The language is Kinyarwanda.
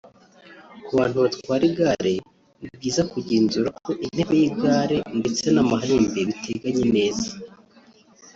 Ku bantu batwara igare ni byiza kugenzura ko intebe y’igare ndetse n’amahembe biteganye neza